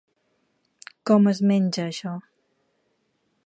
Com es menja això?